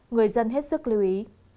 người dân hết sức lưu ý